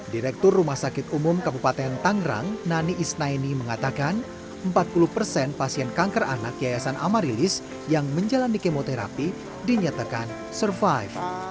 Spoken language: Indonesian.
direktur rumah sakit umum kabupaten tangerang nani isnaini mengatakan empat puluh persen pasien kanker anak yayasan amarilis yang menjalani kemoterapi dinyatakan survive